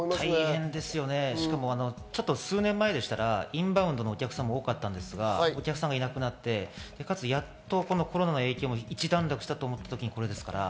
しかも数年前でしたら、インバウンドのお客さんも多かったんですが、お客さんがいなくなって、かつ、やっとコロナの影響も一段落したと思った時にこれですから。